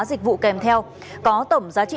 dịch vụ kèm theo có tổng giá trị